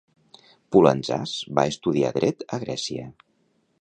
Pulandzàs va estudiar Dret a Grècia.